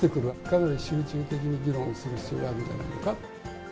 かなり集中的に議論する必要があるんじゃないのか。